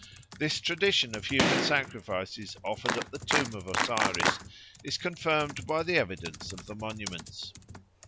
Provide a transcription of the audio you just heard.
This tradition of human sacrifices offered at the tomb of Osiris is confirmed by the evidence of the monuments.